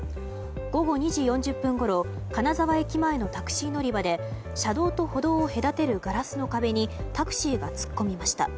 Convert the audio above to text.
午後２時４０分ごろ金沢駅前のタクシー乗り場で車道と歩道を隔てるガラスの壁にタクシーが突っ込みました。